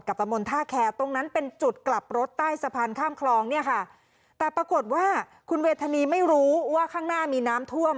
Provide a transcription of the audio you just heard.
ตะมนต์ท่าแคร์ตรงนั้นเป็นจุดกลับรถใต้สะพานข้ามคลองเนี่ยค่ะแต่ปรากฏว่าคุณเวทนีไม่รู้ว่าข้างหน้ามีน้ำท่วม